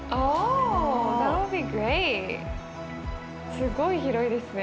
すごい広いですね。